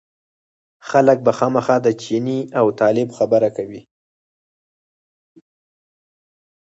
خلک به خامخا د چیني او طالب خبره کوي.